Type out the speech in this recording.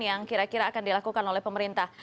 yang kira kira akan dilakukan oleh pemerintah